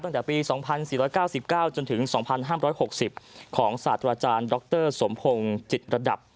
ตั้งแต่ปี๒๔๙๙จนถึง๒๕๖๐ของศาสตราจารย์ดรสมพงศ์จิตระดับ